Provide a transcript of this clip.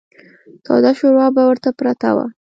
توده شوروا به ورته پرته وه.